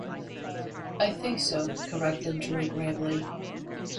"I think so," corrected Drew gravely.